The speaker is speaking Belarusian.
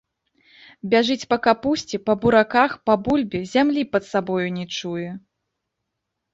Бяжыць па капусце, па бураках, па бульбе, зямлі пад сабою не чуе.